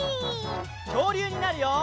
きょうりゅうになるよ！